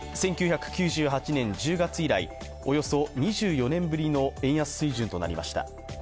１９９８年１０月以来およそ２４年ぶりの円安水準となりました。